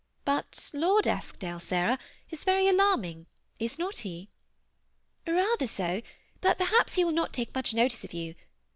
But Lord Eskdale, Sarah, is very alarming, is not he ?"<' Bather so; but perhaps he will not take much notice of you.